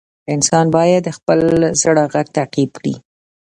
انسان باید د خپل زړه غږ تعقیب کړي.